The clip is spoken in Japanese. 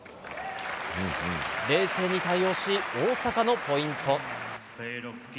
冷静に対応し、大坂のポイント。